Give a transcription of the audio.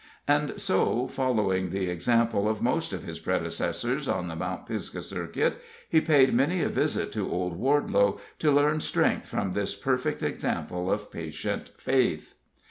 And so, following the example of most of his predecessors on the Mount Pisgah circuit, he paid many a visit to old Wardelow, to learn strength from this perfect example of patient faith.